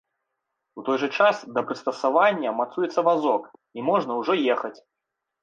У той жа час, да прыстасавання мацуецца вазок, і можна ўжо ехаць.